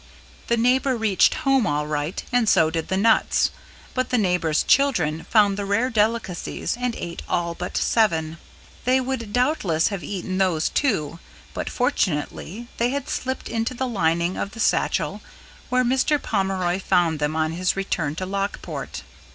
The neighbor reached home all right and so did the nuts but the neighbor's children found the rare delicacies and ate all but seven. They would doubtless have eaten these too but fortunately they had slipped into the lining of the satchel where Mr. Pomeroy found them on his return to Lockport.